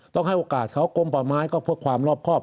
ต้องให้โอกาสเขากรมปัจมายก็พลจากความรอบคอบ